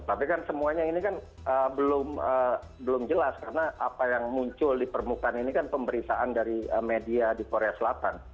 tapi kan semuanya ini kan belum jelas karena apa yang muncul di permukaan ini kan pemberitaan dari media di korea selatan